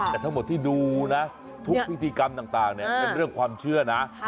แต่ทั้งหมดที่ดูนะทุกพิธีกรรมต่างเนี่ยเป็นเรื่องความเชื่อนะ